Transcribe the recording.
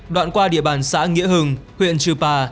đoạn qua địa bàn xã nghĩa hừng huyện trừ pa